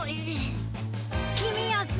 きみやす。